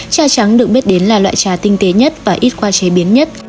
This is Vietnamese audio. trà trắng được biết đến là loại trà tinh tế nhất và ít qua chế biến nhất